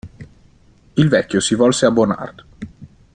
Il vecchio si volse a Bonard.